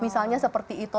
misalnya seperti itu